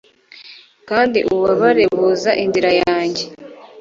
Kandi ububabare buza inzira yanjye